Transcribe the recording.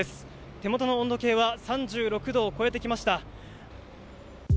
手元の温度計は３６度を超えてきました。